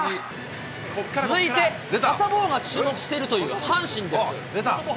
続いて、サタボーが注目しているという阪神です。